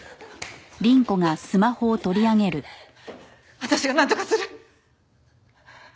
私がなんとかする。